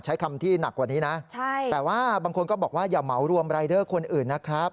ใช้คำที่หนักกว่านี้นะแต่ว่าบางคนก็บอกว่าอย่าเหมารวมรายเดอร์คนอื่นนะครับ